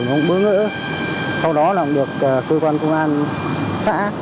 một bữa ngỡ sau đó làm việc cơ quan công an xã